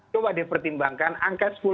coba dipertimbangkan angka